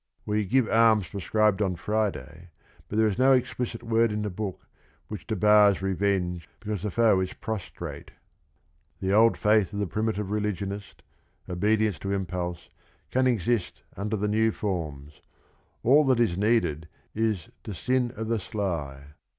We "give alms prescribed on Friday," but there is no ex plicit word in the book which debars revenge because the foe is prostrate. The old faith of the primitive religionist, obedience to impulse, can exist under the new forms ; all that is needed is to "sin o' the sly."